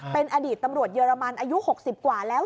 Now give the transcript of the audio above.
เป็นอดีตตำรวจเยอรมันอายุ๖๐กว่าแล้ว